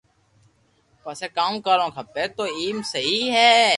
پسي ڪاو ُ ڪروُ کپي تو ايم سھي ھي